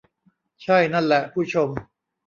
ใช่ นั่นแหละ ผู้ชม